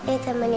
ia temenin mama